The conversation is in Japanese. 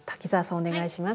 お願いします。